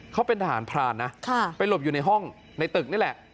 เขาเป็นทหารพรานนะไปหลบอยู่ในห้องในตึกนี่แหละ